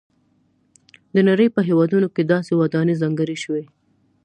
د نړۍ په هېوادونو کې داسې ودانۍ ځانګړې شوي.